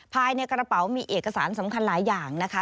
ภายในกระเป๋ามีเอกสารสำคัญหลายอย่างนะคะ